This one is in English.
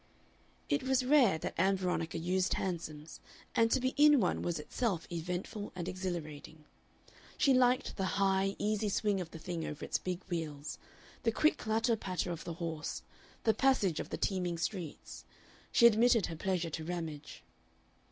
It was rare that Ann Veronica used hansoms, and to be in one was itself eventful and exhilarating. She liked the high, easy swing of the thing over its big wheels, the quick clatter patter of the horse, the passage of the teeming streets. She admitted her pleasure to Ramage.